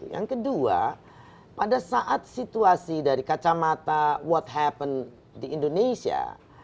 yang kedua pada saat situasi dari kacamata what happen di indonesia